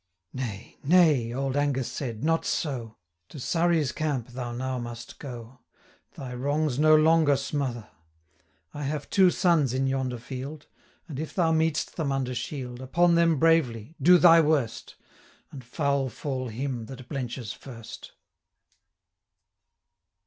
'Nay, nay,' old Angus said, 'not so; To Surrey's camp thou now must go, Thy wrongs no longer smother. 375 I have two sons in yonder field; And, if thou meet'st them under shield, Upon them bravely do thy worst; And foul fall him that blenches first!'